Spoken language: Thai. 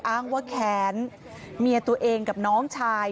อ้างว่าแค้นเมียตัวเองกับน้องชาย